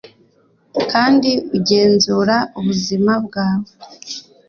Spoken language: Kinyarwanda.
kandi ugenzura ubuzima bwawe